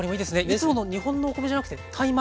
いつもの日本のお米じゃなくてタイ米。